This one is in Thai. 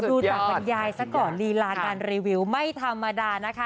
ดูจากบรรยายซะก่อนลีลาการรีวิวไม่ธรรมดานะคะ